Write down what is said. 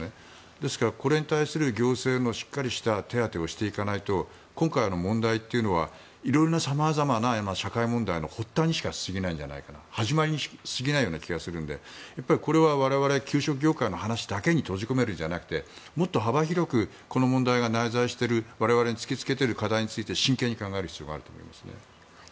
ですからこれに対する行政のしっかりした手当てをしていかないと今回の問題というのは色々な、様々な社会問題の発端にしか過ぎないんじゃないか始まりにしか過ぎないと思うのでこれは我々給食業界の話だけに閉じ込めるんじゃなくてもっと幅広くこの問題が内在している我々に突きつけている課題について真剣に考える必要があると思いますね。